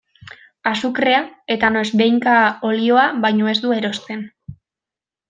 Azukrea eta noizbehinka olioa baino ez du erosten.